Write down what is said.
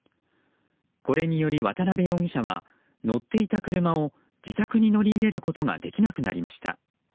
これにより、渡部容疑者は乗っていた車を自宅に乗り入れることができなくなりました。